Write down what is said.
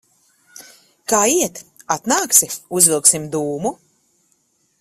Kā iet? Atnāksi, uzvilksim dūmu?